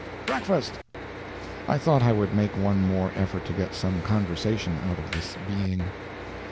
"Breakfast!" I thought I would make one more effort to get some conversation out of this being.